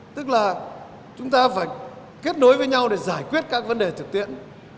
tức là chúng ta phải kết nối với nhau để giải quyết các vấn đề thực tiễn